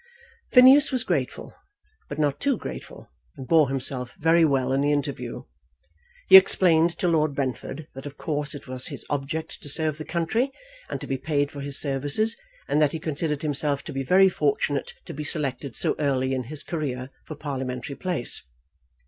Phineas was grateful, but not too grateful, and bore himself very well in the interview. He explained to Lord Brentford that of course it was his object to serve the country, and to be paid for his services, and that he considered himself to be very fortunate to be selected so early in his career for parliamentary place.